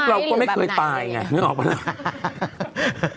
พวกเราก็ไม่เคยตายไงเดร็กช์นึกออกไหมล่ะ